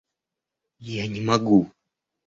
Я не могу.